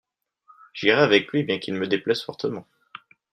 J'irai avec lui bien qu'il me déplaise fortement.